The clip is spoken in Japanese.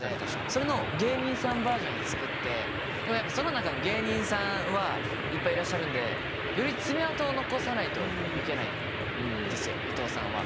それの芸人さんバージョンを作ってでもやっぱその中の芸人さんはいっぱいいらっしゃるんでより爪痕を残さないといけないんですよ伊藤さんは。